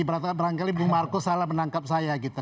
berangkali bung marco salah menangkap saya gitu